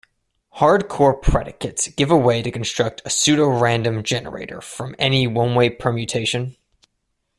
Hard-core predicates give a way to construct a pseudorandom generator from any one-way permutation.